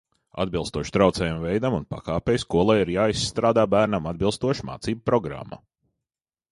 Atbilstoši traucējumu veidam un pakāpei, skolai ir jāizstrādā bērnam atbilstoša mācību programma.